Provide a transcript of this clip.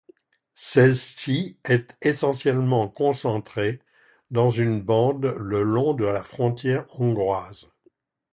Celle-ci est essentiellement concentrée dans une bande de le long de la frontière hongroise.